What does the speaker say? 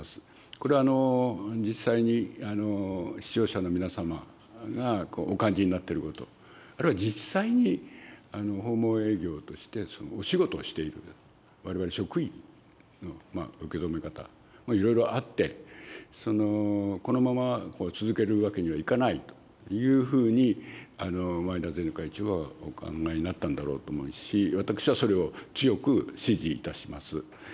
これは実際に視聴者の皆様がお感じになっていること、あるいは実際に、訪問営業としてお仕事をしているわれわれ職員の受け止め方もいろいろあって、このまま続けるわけにはいかないというふうに、前田前会長はお考えになったんだろうと思うし、私はそれを強く支持いたします。